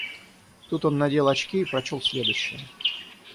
Тут он надел очки и прочел следующее: